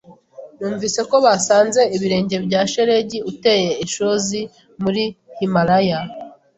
Numvise ko basanze ibirenge bya shelegi uteye ishozi muri Himalaya.